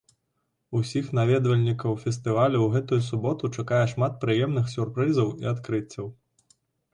Усіх наведвальнікаў фестывалю ў гэтую суботу чакае шмат прыемных сюрпрызаў і адкрыццяў.